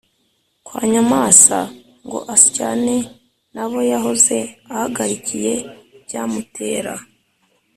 kwa Nyamwasa ngo asyane n’abo yahoze ahagarikiye byamutera